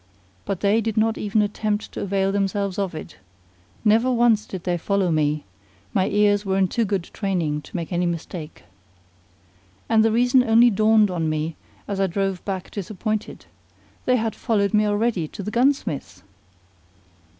But they did not even attempt to avail themselves of it: never once did they follow me: my ears were in too good training to make any mistake. And the reason only dawned on me as I drove back disappointed: they had followed me already to the gunsmith's!